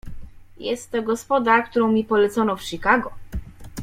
"Jest to gospoda, którą mi polecono w Chicago."